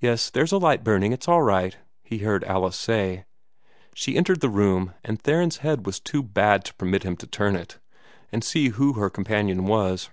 "Yes; there's a light burning. It's all right," he heard Alice say. She entered the room, and Theron's head was too bad to permit him to turn it, and see who her companion was.